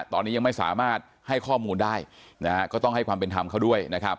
ตอนนี้ยังไม่สามารถให้ข้อมูลได้นะฮะก็ต้องให้ความเป็นธรรมเขาด้วยนะครับ